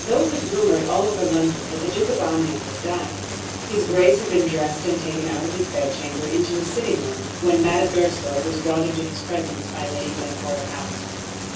Though it was rumoured all over London that the Duke of Omnium was dying, his Grace had been dressed and taken out of his bed chamber into a sitting room, when Madame Goesler was brought into his presence by Lady Glencora Palliser.